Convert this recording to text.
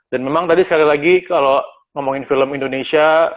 dan memang tadi sekali lagi kalau ngomongin film indonesia